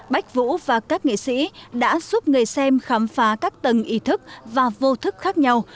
bách vũ và các nghệ sĩ đã giúp người xem khám phá các tầng ý thức và vô thức khác nhau